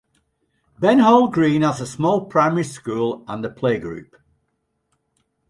Benhall Green has a small primary school and a playgroup.